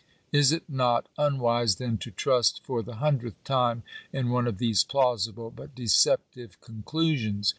Is it not un wise, then, to trust for the hundredth time in one of these plausible but deceptive conclusions?